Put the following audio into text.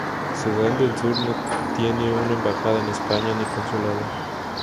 Sudán del Sur no tiene una embajada en España ni consulado.